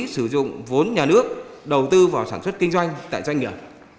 sử dụng vốn nhà nước đầu tư vào sản xuất kinh doanh tại doanh nghiệp